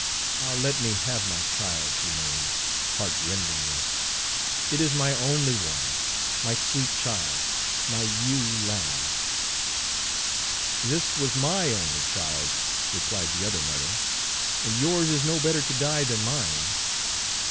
Ah, let me have my child," she moaned, heart rendingly. "It is my only one my sweet child my ewe lamb!" "This was my only child!" replied the other mother; "and yours is no better to die than mine!"